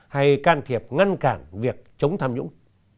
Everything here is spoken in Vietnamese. hay can thiệp ngăn cản việc chống tham nhũng